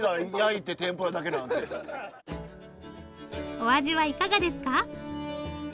お味はいかがですか？